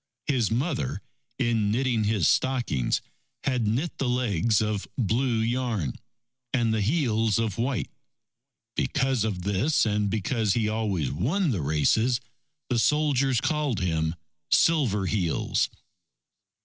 His mother, in knitting his stockings, had knit the legs of blue yarn and the heels of white. Because of this and because he always won the races, the soldiers called him: "Silver Heels."